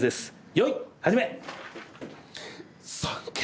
よい始め！